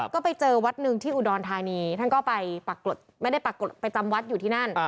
ก็ไปเจอวัดหนึ่งที่อุดรธานีท่านก็ไปปรากฏไม่ได้ปรากฏไปจำวัดอยู่ที่นั่น